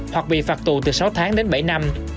hoặc bị phạt tù từ sáu tháng đến bảy năm